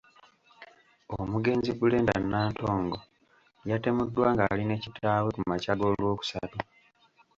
Omugenzi Brenda Nantongo yatemuddwa ng’ali ne kitaawe ku makya g’Olwokusatu.